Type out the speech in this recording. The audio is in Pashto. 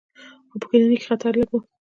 خو په کلینیک کې خطر لږ و.